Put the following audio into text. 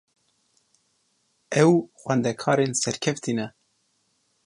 Ew xwendekarên serkeftî ne.